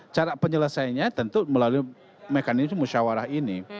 cara penyelesaiannya tentu melalui mekanisme musyawarah ini